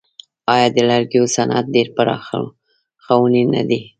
آیا د لرګیو صنعت ډیر پخوانی نه دی؟